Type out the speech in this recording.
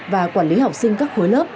và quản lý học sinh các khối lớp